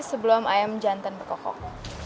sebelum ayam jantan berkokok